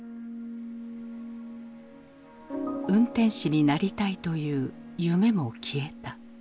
運転士になりたいという夢も消えた。